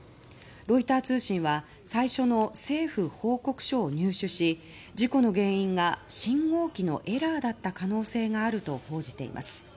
ロイター通信は最初の政府報告書を入手し事故の原因が信号機のエラーだった可能性があると報じています。